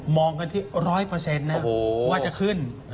องกันที่๑๐๐นะว่าจะขึ้น